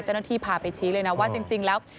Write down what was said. เจ้าหน้าที่พาไปชี้เลยนะว่าจริงแล้ว